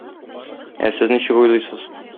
Ә сез ничек уйлыйсыз?